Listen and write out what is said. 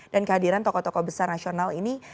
dan kehadiran tokoh tokoh besar nasional ini